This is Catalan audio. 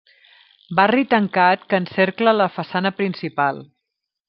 Barri tancat que encercla la façana principal.